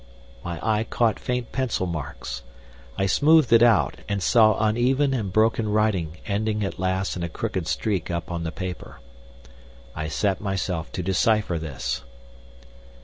My eye caught faint pencil marks. I smoothed it out, and saw uneven and broken writing ending at last in a crooked streak upon the paper. I set myself to decipher this.